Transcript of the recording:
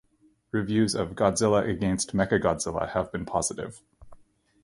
Reviews of "Godzilla Against Mechagodzilla" have been positive.